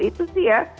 itu sih ya